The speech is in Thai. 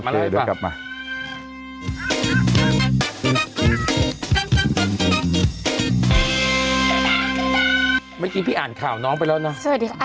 เมื่อกี้พี่อ่านข่าวน้องไปแล้วนะ